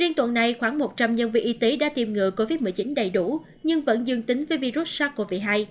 riêng tuần này khoảng một trăm linh nhân viên y tế đã tìm ngựa covid một mươi chín đầy đủ nhưng vẫn dương tính với virus sars cov hai